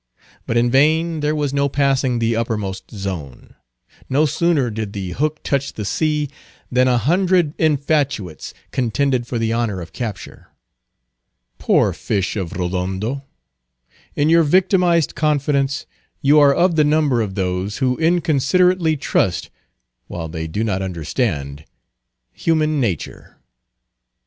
But in vain; there was no passing the uppermost zone. No sooner did the hook touch the sea, than a hundred infatuates contended for the honor of capture. Poor fish of Rodondo! in your victimized confidence, you are of the number of those who inconsiderately trust, while they do not understand, human nature.